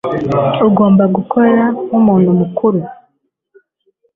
Ugomba gukora nkumuntu mukuru.